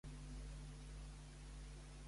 Se sorprèn ella en veure que com li contesta?